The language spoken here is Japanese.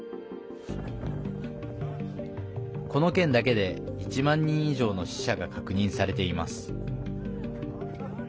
この県だけで１万人以上の死者が確認されています。